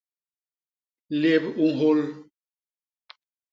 Lép u nhôl.